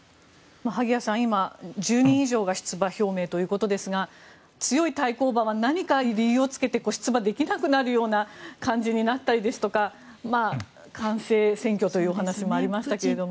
萩谷さん、今１０人以上が出馬表明ということですが強い対抗馬は何か理由をつけて出馬できないようになる感じですとか官製選挙という話もありましたけども。